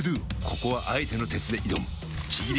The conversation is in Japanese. ここはあえての鉄で挑むちぎり